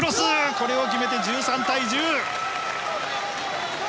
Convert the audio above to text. これを決めて１３対１０！